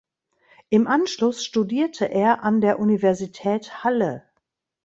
Im Anschluss studierte er an der Universität Halle.